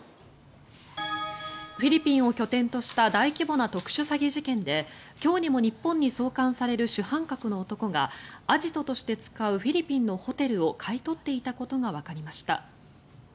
フィリピンを拠点とした大規模な特殊詐欺事件で今日にも日本に送還される主犯格の男はアジトとして使うフィリピンのホテルを買い取っていたことがわかりました。